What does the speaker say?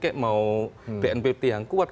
kayak mau bnpt yang kuat